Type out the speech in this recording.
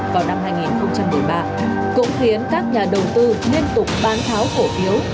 vào năm hai nghìn một mươi ba cũng khiến các nhà đầu tư liên tục bán tháo cổ phiếu